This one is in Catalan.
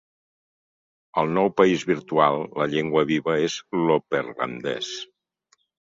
Al nou país virtual la llengua viva és l'opperlandès.